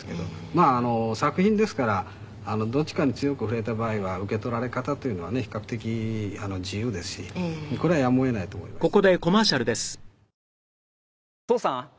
まあ作品ですからどっちかに強くふれた場合は受け取られ方というのはね比較的自由ですしこれはやむを得ないと思いましてね。